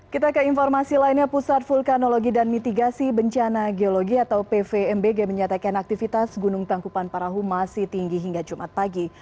kita ke informasi lainnya pusat vulkanologi dan mitigasi bencana geologi atau pvmbg menyatakan aktivitas gunung tangkupan parahu masih tinggi hingga jumat pagi